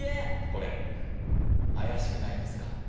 これあやしくないですか？